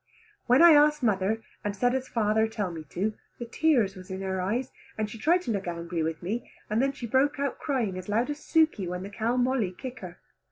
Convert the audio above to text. When I asked mother and said as father tell me to, the tears was in her eyes, and she try to look angry with me, and then she broke out crying as loud as Suke when the cow Molly kick her.